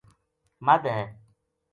مدھ ہے